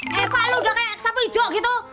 tepak lo udah kayak sapu hijau gitu